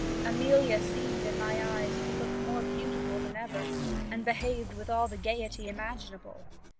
"Amelia seemed in my eyes to look more beautiful than ever, and behaved with all the gaiety imaginable.